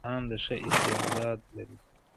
انعام د ښه استعداد لري.